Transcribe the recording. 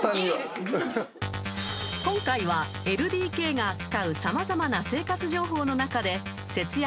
［今回は『ＬＤＫ』が扱う様々な生活情報の中で］